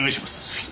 はい。